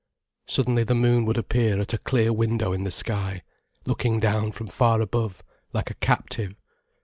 Suddenly the moon would appear at a clear window in the sky, looking down from far above, like a captive.